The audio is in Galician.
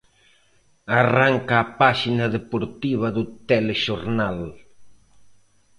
Arranca a paxina deportiva do telexornal.